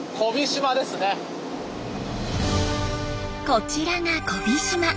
こちらが小飛島。